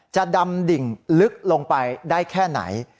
จะดำดิ่งลึกลงไปได้แค่ไหน